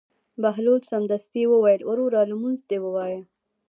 بهلول سمدستي وویل: وروره لمونځ دې ووایه.